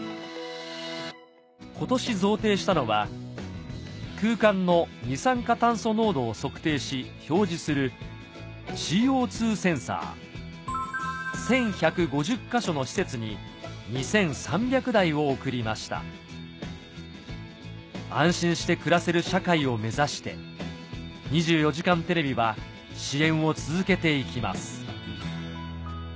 今年贈呈したのは空間の二酸化炭素濃度を測定し表示するＣＯセンサー１１５０か所の施設に２３００台を贈りました安心して暮らせる社会を目指して『２４時間テレビ』は支援を続けていきます